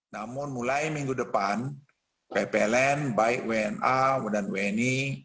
namun mulai minggu depan ppln baik wna dan wni